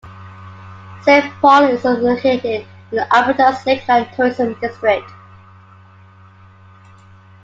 Saint Paul is located in Alberta's Lakeland tourism district.